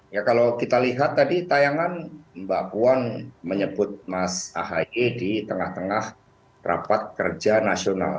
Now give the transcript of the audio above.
ya kalau kita lihat tadi tayangan mbak puan menyebut mas ahaye di tengah tengah rapat kerja nasional